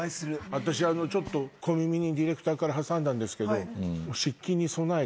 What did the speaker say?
私ちょっと小耳にディレクターから挟んだんですけど。